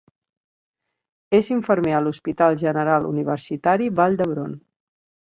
És infermer a l'Hospital General Universitari Vall d'Hebron.